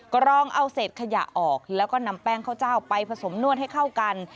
กรองเอาเศษขยะออกแล้วก็นำแป้งข้าวเจ้าไปผสมนวดให้เข้ากัน